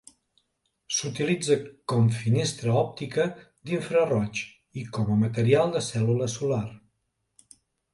S'utilitza com finestra òptica d'infraroig i com a material de cèl·lula solar.